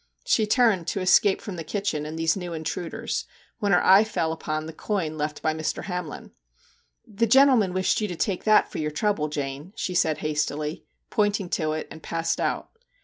She turned to escape from the kitchen and these new intruders, when her eye fell upon the coin left by Mr. Hamlin. ' The gentle man wished you to take that for your trouble, Jane/ she said hastily, pointing to it, and passed out.